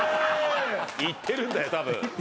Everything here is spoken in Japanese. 行ってるんだよたぶん。